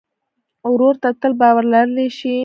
ورور ته تل باور لرلی شې.